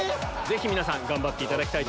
皆さん頑張っていただきたい。